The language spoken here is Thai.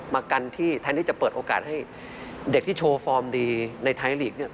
มากันที่แทนที่จะเปิดโอกาสให้เด็กที่โชว์ฟอร์มดีในไทยลีกเนี่ย